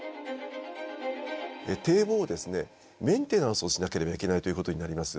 堤防をですねメンテナンスをしなければいけないということになります。